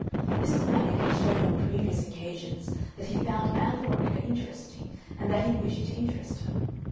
Mr. Manning had shown on previous occasions that he found Ann Veronica interesting and that he wished to interest her.